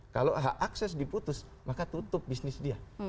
kalau hak akses diputus maka tutup bisnis dia